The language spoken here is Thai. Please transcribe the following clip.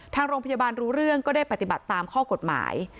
ทางโรงพยาบาลรู้เรื่องก็ได้ปฏิบัติตามข้อกฎหมาย